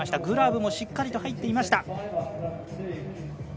グラブもしっかりと入っていました。